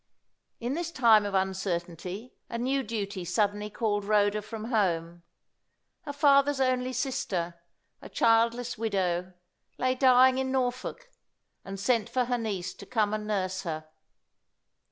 In this time of uncertainty, a new duty suddenly called Rhoda from home. Her father's only sister a childless widow lay dying in Norfolk, and sent for her niece to come and nurse her.